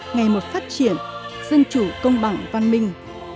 ngày một phát triển dân chủ công bằng văn minh